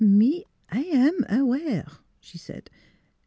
" Me I am aware," she said.